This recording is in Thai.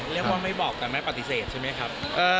เรียกว่าไม่บอกแต่ไม่ปฏิเสธใช่ไหมครับ